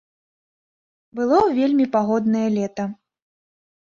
Было вельмі пагоднае лета.